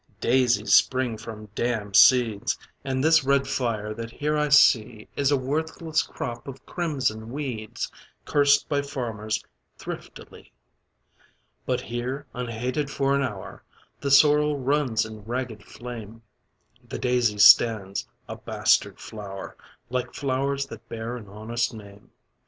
Daisies spring from damned seeds, And this red fire that here I see Is a worthless crop of crimson weeds, Cursed by farmers thriftily. But here, unhated for an hour, The sorrel runs in ragged flame, The daisy stands, a bastard flower, Like flowers that bear an honest name.